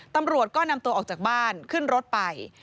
ตำรวจก็นำตัวออกจากบ้านขึ้นรถไป